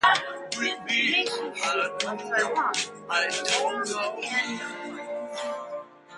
Macy Shih of Taiwan was crowned at the end of the contest.